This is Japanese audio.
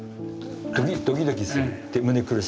ドキドキする？